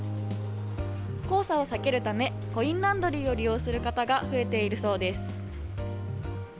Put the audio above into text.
黄砂を避けるため、コインランドリーを利用する方が増えているそうです。